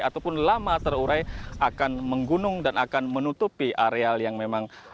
ataupun lama terurai akan menggunung dan akan menutupi areal yang memang